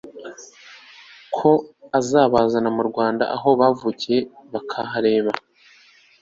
ko azabazana mu Rwanda aho bavukiye bakahareba